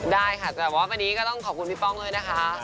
ได้ค่ะแต่ว่าวันนี้ก็ต้องขอบคุณพี่ป้องด้วยนะคะ